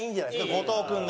後藤君が。